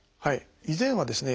以前はですね